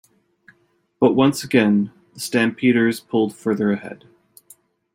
But once again the Stampeders pulled further ahead.